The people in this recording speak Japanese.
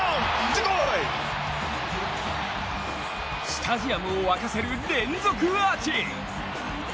スタジアムを沸かせる連続アーチ！